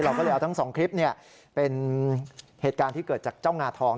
เราก็เลยเอาทั้งสองคลิปเป็นเหตุการณ์ที่เกิดจากเจ้างาทอง